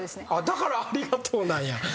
だからありがとうなんや。